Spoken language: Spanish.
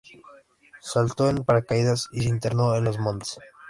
Saltó en paracaídas y se internó en los montes.